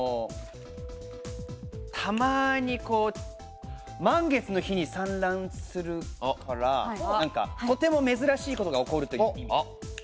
たまに満月の日に産卵するからとても珍しいことが起こるという意味。